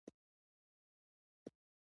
هغې وویل محبت یې د باد په څېر ژور دی.